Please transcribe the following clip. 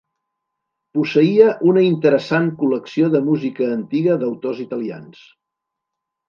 Posseïa una interessant col·lecció de música antiga d'autors italians.